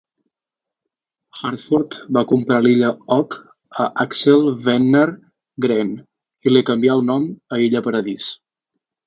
Hartford va comprar l'illa Hog a Axel Wenner-Gren i li canvià el nom a illa Paradís.